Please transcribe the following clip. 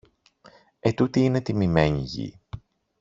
Ετούτη είναι τιμημένη γη.